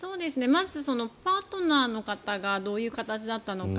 まず、パートナーの方がどういう形だったのか